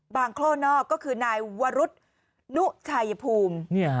โคล่นอกก็คือนายวรุษนุชัยภูมิ